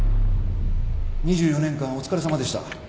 ２４年間お疲れさまでした。